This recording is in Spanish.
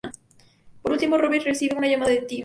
Por último, "Poppy" recibe una llamada de "Tim".